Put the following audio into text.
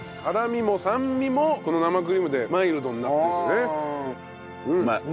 辛みも酸味もこの生クリームでマイルドになってるね。